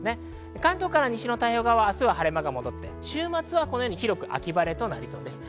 関東から西の太平洋側は明日は晴れ間が戻って週末秋晴れとなりそうです。